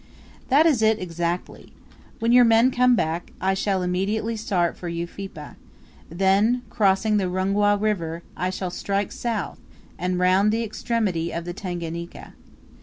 "That is it, exactly. When your men come back, I shall immediately start for Ufipa; then, crossing the Rungwa River, I shall strike south, and round the extremity of the Tanganika.